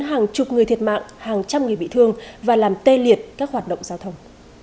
hàng chục người thiệt mạng hàng trăm người bị thương và làm tê liệt các hoạt động giao thông